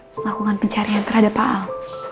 melakukan pencarian terhadap al